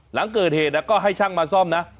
หลังเกิดเหตุก็ให้ช่างมาซ่อมนะ